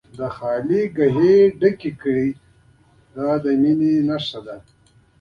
دغه خالي ګاوې ډکې کړي دا د مینې نښه ده.